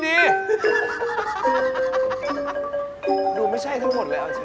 ดูไม่ใช่ทั้งหมดแล้ว